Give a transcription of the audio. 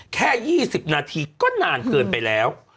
แค่๒๐นาทีก็นานเกินไปแล้ว